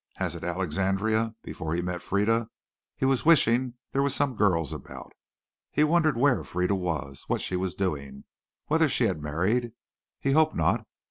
As at Alexandria, before he met Frieda, he was wishing there were some girls about. He wondered where Frieda was, what she was doing, whether she had married. He hoped not.